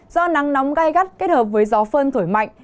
do nắng nóng gai gắt kết hợp với gió phơn thổi mạnh